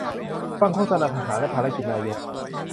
ฟังโฆษณาทหาร และภารกิจนายก